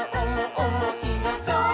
おもしろそう！」